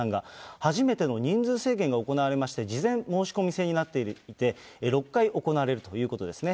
初めての人数制限が行われまして、事前申し込み制になっていて、６回行われるということですね。